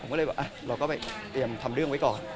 ผมก็เลยแบบเราก็ไปเตรียมทำเรื่องไว้ก่อน